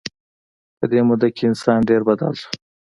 په دې موده کې انسان ډېر بدل شو.